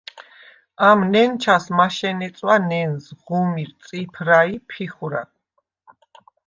ამ ნენჩას მაშენე წვა ნენზ, ღუმირ, წიფრა ი ფიხვრა.